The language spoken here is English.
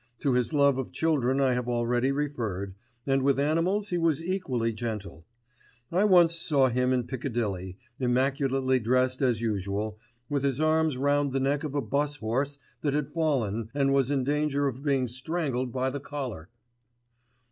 To his love of children I have already referred, and with animals he was equally gentle. I once saw him in Piccadilly, immaculately dressed as usual, with his arms round the neck of a bus horse that had fallen and was in danger of being strangled by the collar.